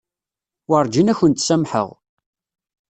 Werǧin ad kent-samḥeɣ.